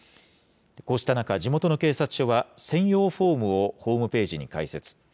こうした中、地元の警察署は、専用フォームをホームページに開設。